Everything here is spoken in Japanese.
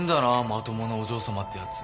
まともなお嬢さまってやつ。